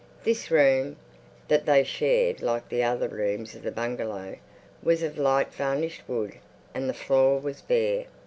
This room that they shared, like the other rooms of the bungalow, was of light varnished wood and the floor was bare.